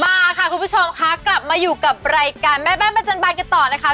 มาค่ะคุณผู้ชมค่ะกลับมาอยู่กับรายการแม่บ้านประจำบานกันต่อนะคะ